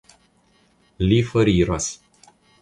Li foriras.